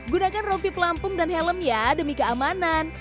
gunakan rompip lampung dan helm ya demi keamanan